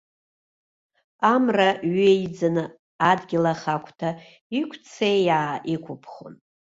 Амра ҩеиӡаны адгьыл ахагәҭа иқәццеиаа иқәԥхон.